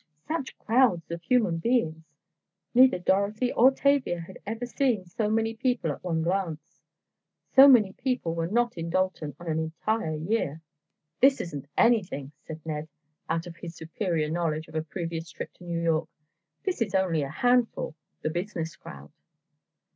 Such crowds of human beings! Neither Dorothy nor Tavia had ever before seen so many people at one glance! So many people were not in Dalton in an entire year. "This isn't anything," said Ned, out of his superior knowledge of a previous trip to New York. "This is only a handful—the business crowd."